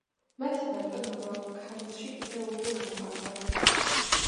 მათი ბატონობა ქართლში კიდევ უფრო გამყარდა.